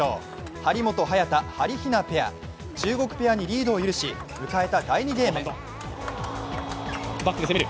張本・早田、はりひなペア中国ペアにリードを許し迎えた第２ゲーム。